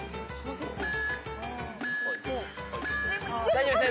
大丈夫です。